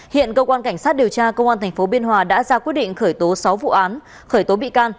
hiện cơ quan cảnh sát điều tra công an tp biên hòa đã ra quyết định khởi tố sáu vụ án khởi tố bị can